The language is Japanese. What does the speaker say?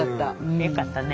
よかったね。